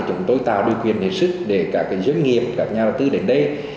chúng tôi tạo được quyền nguyện sức để các doanh nghiệp các nhà đầu tư đến đây